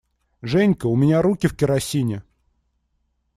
Женька, у меня руки в керосине!